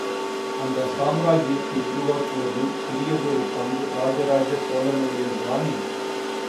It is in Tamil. அந்த சாம்ராஜ்யத்தை உருவாக்குவதில் பெரியதொரு பங்கு ராஜ ராஜ சோழனுடையது தானே?